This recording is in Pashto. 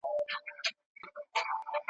د خان ورور هغه تعویذ وو پرانیستلی `